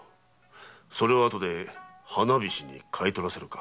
それを後で花菱に買い取らせるか。